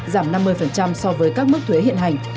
giảm năm mươi so với các mức thuế hiện hành